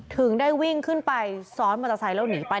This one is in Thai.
ถึงได้วิ่งขึ้นไปซ้อนมอเตอร์ไซค์แล้วหนีไป